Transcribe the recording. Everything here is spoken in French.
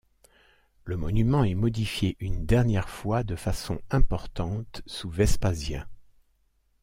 Le monument est modifié une dernière fois de façon importante sous Vespasien.